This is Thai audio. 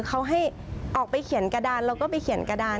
เขาให้ออกไปเขียนกระดานแล้วก็ไปเขียนกระดาน